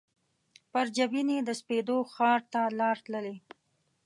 پر جبین یې د سپېدو ښار ته لار تللي